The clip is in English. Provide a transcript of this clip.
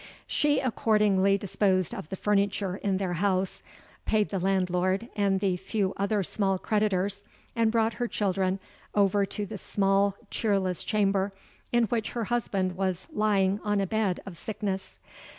She accordingly disposed of the furniture in their house, paid the landlord and the few other small creditors, and brought her children over to the small cheerless chamber in which her husband was lying on a bed of sickness.